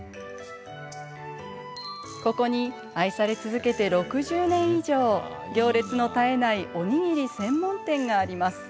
ここに、愛され続けて６０年以上行列の絶えないおにぎり専門店があります。